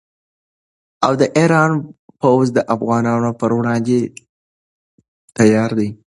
د ایران پوځ د افغانانو پر وړاندې تیار دی.